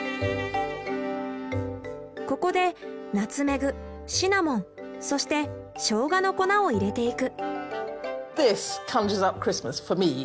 ここでナツメグシナモンそしてショウガの粉を入れていく。